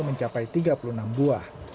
mencapai tiga puluh enam buah